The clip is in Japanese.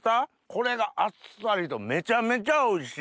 これがあっさりとめちゃめちゃおいしい！